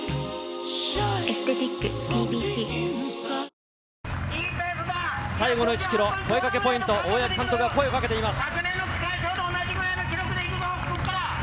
先頭からは５分２０秒差で最後の１ｋｍ、声かけポイント、大八木監督が声をかけています。